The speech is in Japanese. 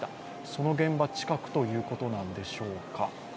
その現場近くということなんでしょうか。